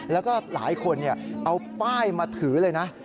แล้วก็หลายคนเอาป้ายมาถือเลยนะ